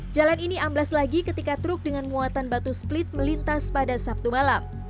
jalan ini amblas lagi ketika truk dengan muatan batu split melintas pada sabtu malam